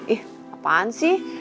ih apaan sih